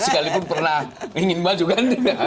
sekalipun pernah ingin maju kan